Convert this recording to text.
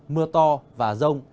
mưa to và rông